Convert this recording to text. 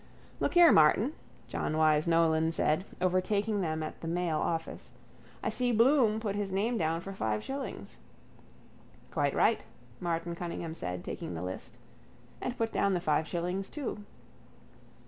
—Look here, Martin, John Wyse Nolan said, overtaking them at the Mail office. I see Bloom put his name down for five shillings. —Quite right, Martin Cunningham said, taking the list. And put down the five shillings too.